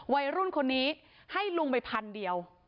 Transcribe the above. วัยรุ่นคนนี้ให้ลุงไปพันเดียว